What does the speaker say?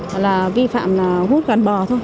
hoặc là vi phạm là hút gần bò thôi